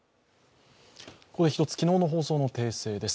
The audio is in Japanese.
ここで一つ、昨日の放送の訂正です。